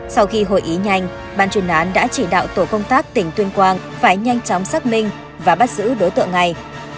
sau khi hội ý nhanh ban chuyên án đã chỉ đạo tổ công tác tỉnh tuyên quang phải nhanh chóng xác minh và bắt giữ đối tượng này